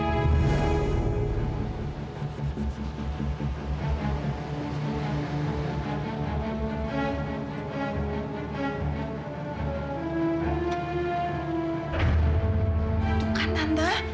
itu kan tante